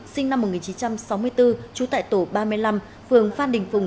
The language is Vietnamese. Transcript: sinh năm một nghìn chín trăm sáu mươi bốn trú tại tổ ba mươi năm phường phan đình phùng